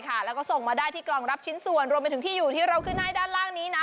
แล้วก็ส่งมาได้ที่กล่องรับชิ้นส่วนรวมไปถึงที่อยู่ที่เราขึ้นให้ด้านล่างนี้นะ